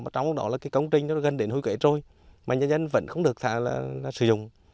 trong đó là công trình gần đến hôi kể trôi mà nhân dân vẫn không được sử dụng